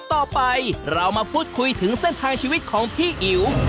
ต่อไปเรามาพูดคุยถึงเส้นทางชีวิตของพี่อิ๋ว